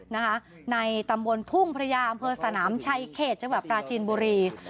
ในตำบลทุ่งพระยาอำเภอสนามชัยเขตจังหวัดปราจีนบุรี